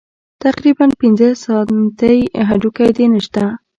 تقريباً پينځه سانتۍ هډوکى دې نشته.